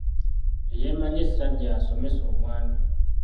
Eyeemanyi essajja, y'asomesa omwami.